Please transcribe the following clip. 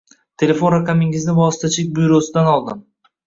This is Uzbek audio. Telefon raqamingizni vositachilik byurosidan oldim.